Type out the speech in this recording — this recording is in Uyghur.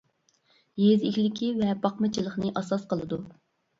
يېزا ئىگىلىكى ۋە باقمىچىلىقنى ئاساس قىلىدۇ.